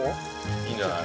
いいんじゃない？